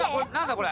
これ。